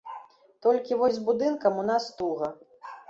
Толькі вось з будынкам у нас туга.